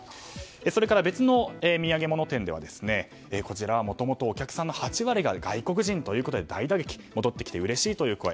それから別の土産物店ではもともとお客さんの８割が外国人ということで大打撃だったが戻ってきてうれしいという声。